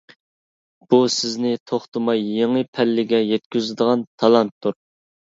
بۇ سىزنى توختىماي يېڭى پەللىگە يەتكۈزىدىغان تالانتتۇر.